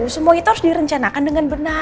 semua itu harus direncanakan dengan benar